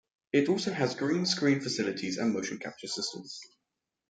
It also has green screen facilities and a motion capture system.